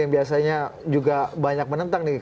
yang biasanya juga banyak menentang nih